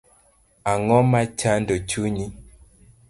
Ang'oma chando chunyi